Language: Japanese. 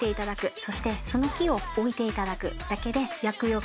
そしてその木を置いていただくだけで厄除け。